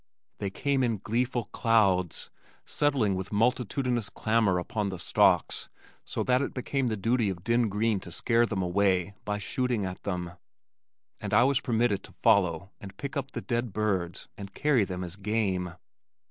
They came in gleeful clouds, settling with multitudinous clamor upon the stalks so that it became the duty of Den Green to scare them away by shooting at them, and I was permitted to follow and pick up the dead birds and carry them as "game."